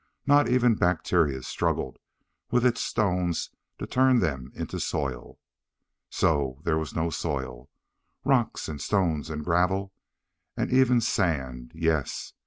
Not even bacteria struggled with its stones to turn them into soil. So there was no soil. Rock and stones and gravel and even sand yes.